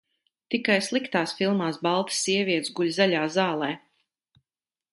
Tikai sliktās filmās baltas sievietes guļ zaļā zālē.